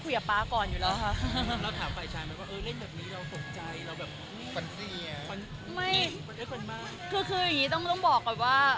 คืออย่างนี้ต้องบอกก่อนว่า